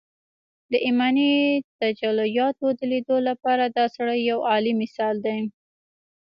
د ايماني تجلياتو د ليدو لپاره دا سړی يو اعلی مثال دی